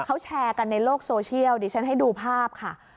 เขาแชร์กันในโลกโซเชียลดิฉันให้ดูภาพค่ะ